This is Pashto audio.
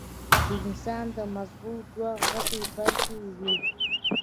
د انسان د مزغو دوه غټې برخې وي